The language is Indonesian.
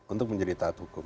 untuk menjadi taat hukum